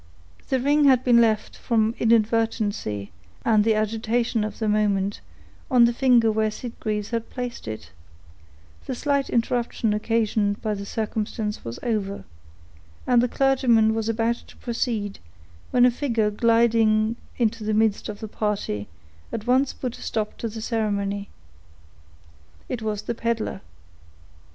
The ring had been left, from inadvertency and the agitation of the moment, on the finger where Sitgreaves had placed it; the slight interruption occasioned by the circumstance was over, and the clergyman was about to proceed, when a figure gliding into the midst of the party, at once put a stop to the ceremony. It was the peddler.